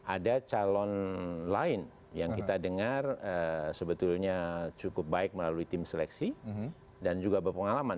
ada calon lain yang kita dengar sebetulnya cukup baik melalui tim seleksi dan juga berpengalaman